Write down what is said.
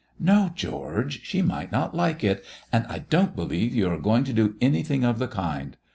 "No, George; she might not like it, and I don't believe you are going to do anything of the kind.